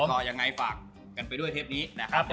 ก็ยังไงฝากกันไปด้วยเทปนี้นะครับผม